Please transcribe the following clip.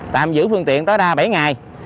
tạm giữ phương tiện tối đa bảy ngày